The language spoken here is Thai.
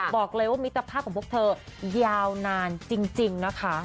บอกเลยว่ามิตรภาพของพวกเธอยาวนานจริงนะคะ